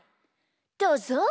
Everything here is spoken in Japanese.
どうぞ。